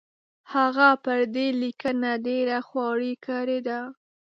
هغه پر دې لیکنه ډېره خواري کړې ده.